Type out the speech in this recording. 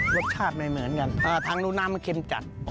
รสชาติไม่เหมือนกันทั้งลูน้ำเข็มจัด